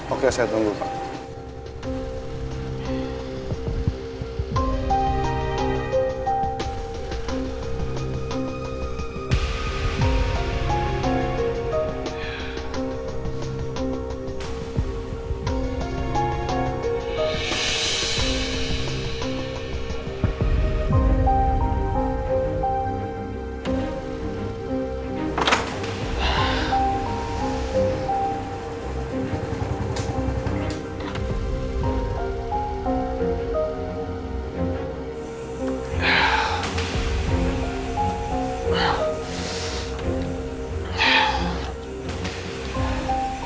oke saya tunggu pak